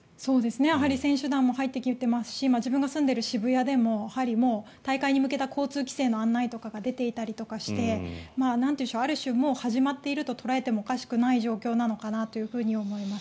やはり選手団も入ってきていますし自分が住んでいる渋谷でもやはり、大会に向けた交通規制の案内とかが出ていたりとかしてある種、もう始まっていると捉えてもおかしくない状況なのかなと思います。